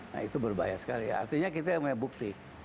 nah itu berbahaya sekali ya artinya kita yang punya bukti